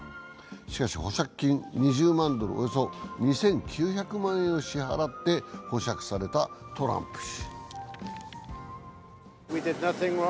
しかし保釈金２０万ドル、およそ２９００万円を支払って保釈されたトランプ氏。